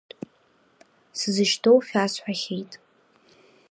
Сзышьҭоу шәасҳәахьеит.